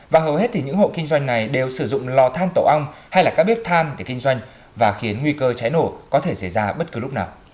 và hầu hết thì những hộ kinh doanh này đều sử dụng lò than tổ ong hay là các bếp than để kinh doanh và khiến nguy cơ cháy nổ có thể xảy ra bất cứ lúc nào